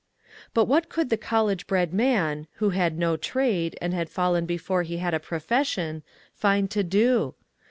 But what could the college bred man, who had no trade, and had fallen before he had a profession, find to do